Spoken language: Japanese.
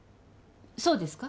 そうですか？